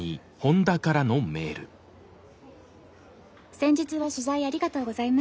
「先日は取材ありがとうございました。